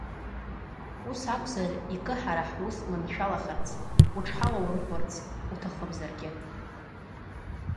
Ус акәзар икы ҳара ҳус маншәалахарц, уҽҳалаурхәырц уҭахымзаргьы.